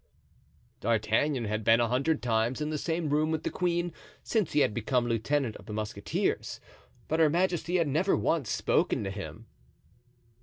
D'Artagnan had been a hundred times in the same room with the queen since he had become lieutenant of the musketeers, but her majesty had never once spoken to him.